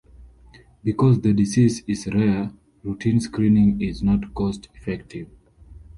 Because the disease is rare, routine screening is not cost-effective.